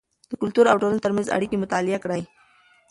د کلتور او ټولنې ترمنځ اړیکه مطالعه کړئ.